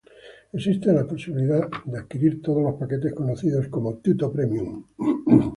Existe la posibilidad de adquirir todos los paquetes, conocida como "Tutto Premium".